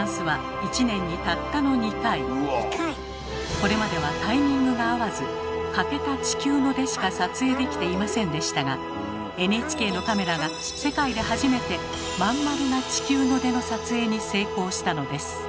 これまではタイミングが合わず欠けた「地球の出」しか撮影できていませんでしたがＮＨＫのカメラが世界で初めて「真ん丸な地球の出」の撮影に成功したのです。